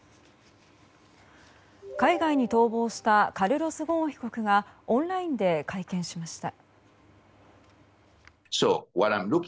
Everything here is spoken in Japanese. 海外に逃亡したカルロス・ゴーン被告がオンラインで会見しました。